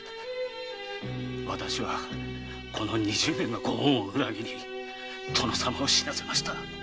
私はこの二十年のご恩を裏切り殿様を死なせました。